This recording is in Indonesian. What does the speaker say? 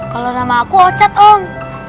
kalau nama aku ocat om